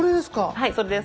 はいそれです。